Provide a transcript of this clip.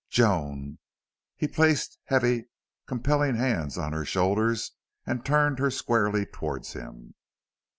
"Joan!" He placed heavy, compelling hands on her shoulders and turned her squarely toward him.